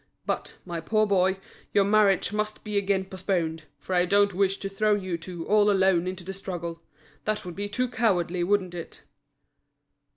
But, my poor boy, your marriage must be again postponed, for I don't wish to throw you two all alone into the struggle. That would be too cowardly, wouldn't it?"